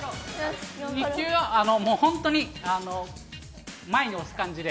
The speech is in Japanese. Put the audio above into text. ２球は本当に前に押す出す感じで。